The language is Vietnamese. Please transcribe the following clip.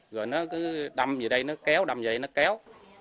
rồi nó cứ đâm về đây nó kéo đâm về đây nó kéo